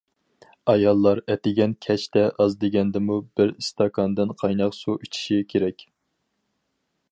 ئاياللار ئەتىگەن- كەچتە ئاز دېگەندىمۇ بىر ئىستاكاندىن قايناق سۇ ئىچىشى كېرەك.